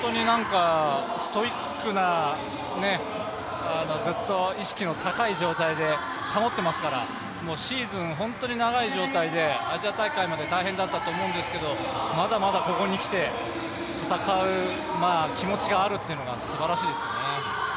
ストイックな、ずっと意識の高い状態を保っていますから、シーズン、本当に長い状態で、アジア大会まで大変だったと思うんですけど、まだまだここに来て戦う気持ちがあるっていうのがすばらしいですよね。